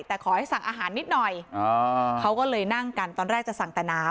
แต่ขอให้สั่งอาหารนิดหน่อยเขาก็เลยนั่งกันตอนแรกจะสั่งแต่น้ำ